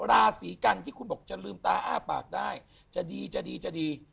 ราศีกันที่คุณบอกจะลืมตาอ้าปากได้จะดีจะดีจะดี